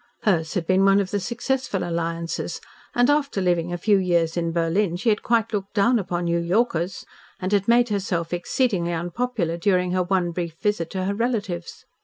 Hers had been one of the successful alliances, and after living a few years in Berlin she had quite looked down upon New Yorkers, and had made herself exceedingly unpopular during her one brief visit to her relatives.